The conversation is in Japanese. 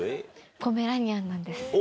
ポメラニアンなんです。